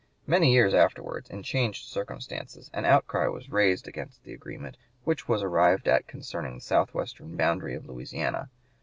Many years afterwards, in changed circumstances, an outcry was raised against the agreement which was arrived at concerning the southwestern boundary of Louisiana.